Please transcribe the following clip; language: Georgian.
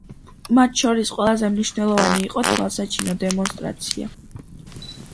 მათ შორის ყველაზე მნიშვნელოვანი იყო თვალსაჩინო დემონსტრაცია.